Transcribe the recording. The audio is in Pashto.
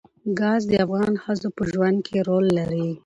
ګاز د افغان ښځو په ژوند کې رول لري.